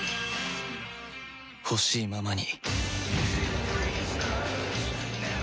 ほしいままに